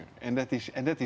dan sekali lagi